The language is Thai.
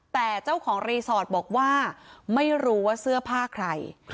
แต่เจ้าของรีสอร์ทบอกว่าไม่รู้ว่าเสื้อผ้าใคร